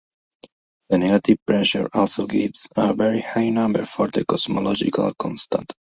The negative pressure also gives a very high number for the cosmological constant.